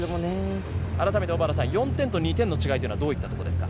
改めて小原さん、４点と２点の違いっていうのはどういったところですか。